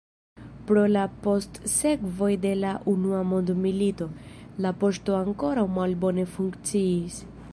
Pro la postsekvoj de la Unua Mondmilito, la poŝto ankoraŭ malbone funkciis.